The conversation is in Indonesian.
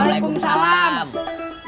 kemaren aku mau ngobrol sama si jono